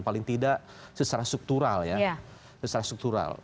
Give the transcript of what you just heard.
paling tidak secara struktural ya